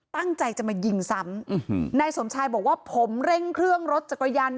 ตั้งใจจะมายิงซ้ำนายสมชายบอกว่าผมเร่งเครื่องรถจักรยาน